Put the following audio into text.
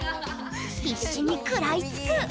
必死に食らいつく！